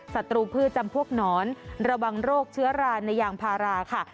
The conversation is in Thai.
ศัตรูพืชจำพวกหนอนระวังโรคเชื้อราในยางพาราค่ะ